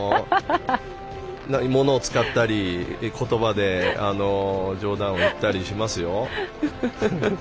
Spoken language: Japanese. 物を使ったり言葉で冗談を言ったりしますよ。